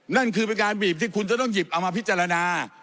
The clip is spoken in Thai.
นั่นคือเป็นการบีบที่คุณจะต้องหยิบเอามาพิจารณา